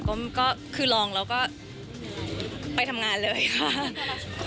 ก็คือลองแล้วก็ไปทำงานเลยค่ะ